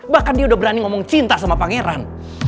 bahkan dia udah berani ngomong cinta sama pangeran